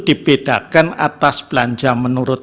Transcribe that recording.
dibedakan atas belanja menurut